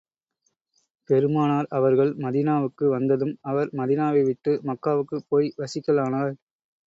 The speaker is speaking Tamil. பெருமானார் அவர்கள் மதீனாவுக்கு வந்ததும், அவர் மதீனாவை விட்டு மக்காவுக்குப் போய் வசிக்கலானார்.